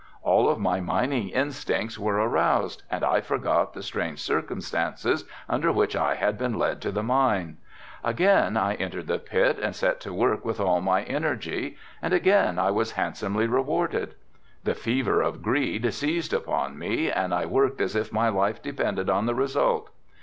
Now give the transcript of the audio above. All of my mining instincts were aroused and I forgot the strange circumstances under which I had been led to the mine. Again I entered the pit and set to work with all my energy and again I was handsomely rewarded. The fever of greed seized upon me and I worked as if my life depended on the result.